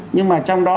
nhưng mà trong đó